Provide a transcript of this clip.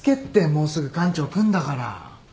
もうすぐ館長来んだから。